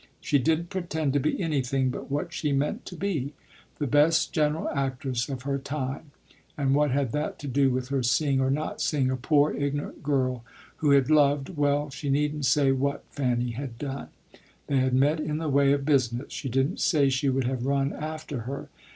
She didn't pretend to be anything but what she meant to be, the best general actress of her time; and what had that to do with her seeing or not seeing a poor ignorant girl who had loved well, she needn't say what Fanny had done. They had met in the way of business; she didn't say she would have run after her.